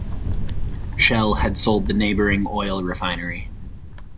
Shell had sold the neighbouring oil refinery.